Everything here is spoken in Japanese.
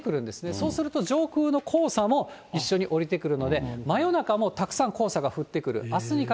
そうすると上空の黄砂も一緒に下りてくるので、真夜中もたくさん黄砂が降ってくる。